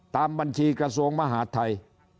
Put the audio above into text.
ตามบัญชีกระทรวงมหาดไทย